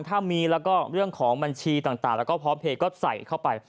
ถ้ามีแล้วก็เรื่องของบัญชีต่างแล้วก็พร้อมเพลย์ก็ใส่เข้าไป